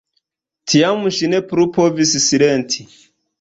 Tiam ŝi ne plu povis silenti.